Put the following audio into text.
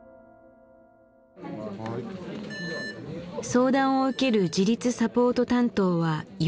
相談を受ける自立サポート担当は４人。